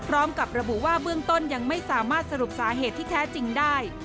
พร้อมกับระบุว่าเบื้องต้นยังไม่สามารถสรุปสาเหตุที่แท้จริงได้